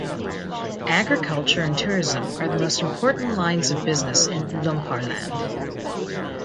Agriculture and tourism are the most important lines of business in Lumparland.